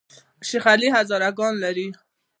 شیخ علي هزاره ګان لري؟